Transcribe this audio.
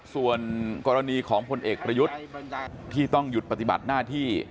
ส่วนกรณีของพลเอกประยุทธ์ที่ต้องหยุดปฏิบัติหน้าที่